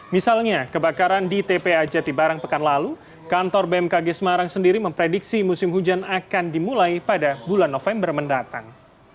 misalnya kebakaran di tpa jatibarang pekan lalu kantor bmkg semarang sendiri memprediksi musim hujan akan dimulai pada bulan november mendatang